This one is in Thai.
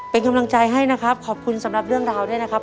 เป็นกำลังใจให้นะครับขอบคุณสำหรับเรื่องราวด้วยนะครับ